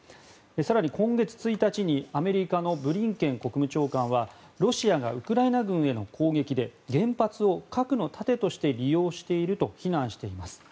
更に今月１日にアメリカのブリンケン国務長官はロシアがウクライナ軍への攻撃で原発を核の盾として利用していると非難しています。